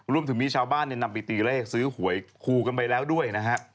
รวมถึงมีชาวบ้านนำไปตีเลขซื้อหวยคู่กันไปแล้วด้วยนะฮะ